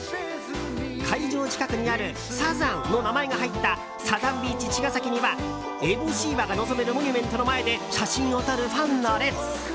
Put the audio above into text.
会場近くにあるサザンの名前が入ったサザンビーチちがさきには烏帽子岩が望めるモニュメントの前で写真を撮るファンの列。